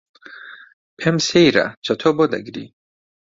پێم سەیرە چەتۆ بۆ دەگری.